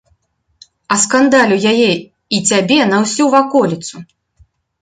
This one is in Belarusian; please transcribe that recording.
Аскандалю яе і цябе на ўсю ваколіцу.